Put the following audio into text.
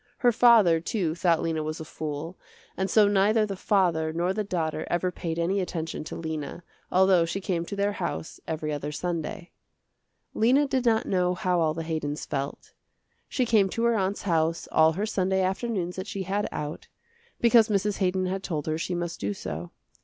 Her father, too, thought Lena was a fool, and so neither the father nor the daughter ever paid any attention to Lena, although she came to their house every other Sunday. Lena did not know how all the Haydons felt. She came to her aunt's house all her Sunday afternoons that she had out, because Mrs. Haydon had told her she must do so.